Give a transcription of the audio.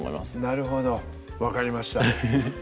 なるほど分かりました